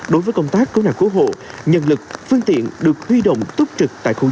đối với công tác cứu nạn cứu hộ nhân lực phương tiện được huy động tốt trực tại khu dân cư